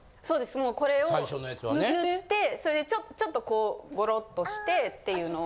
もうこれを塗ってそれでちょっとこうゴロっとしてっていうのを。